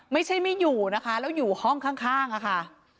ไม่ใช่ไม่อยู่นะคะแล้วอยู่ห้องข้างค่ะ